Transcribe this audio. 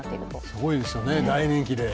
すごいですよね、大人気が。